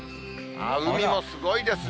海もすごいですね。